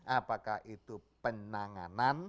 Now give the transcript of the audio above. apakah itu penanganan